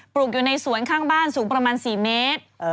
ลูกอยู่ในสวนข้างบ้านสูงประมาณ๔เมตร